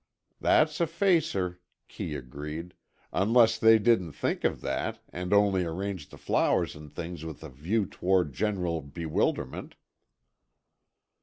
"That's a facer," Kee agreed, "unless they didn't think of that, and only arranged the flowers and things with a view toward general bewilderment."